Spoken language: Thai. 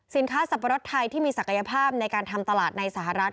สับปะรดไทยที่มีศักยภาพในการทำตลาดในสหรัฐ